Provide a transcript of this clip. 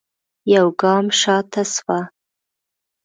يوګام شاته سوه.